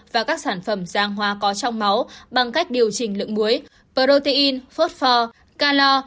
và các sản phẩm giang hóa có trong máu bằng cách điều trình lượng muối protein phốt pho calor